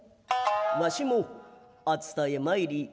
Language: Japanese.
儂も熱田へ参り